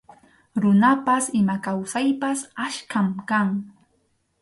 Runapas ima kawsaypas achkam kan.